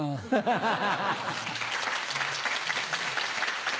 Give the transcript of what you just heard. ハハハ。